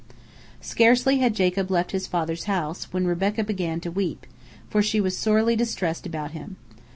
Scarcely had Jacob left his father's house, when Rebekah began to weep, for she was sorely distressed about him.